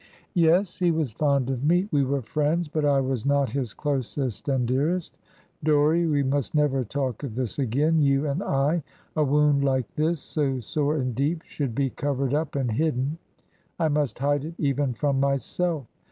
"Yes, he was fond of me. We were friends; but I was not his closest and dearest. Dorrie, we must never talk of this again, you and I; a wound like this, so sore and deep, should be covered up and hidden. I must hide it even from myself.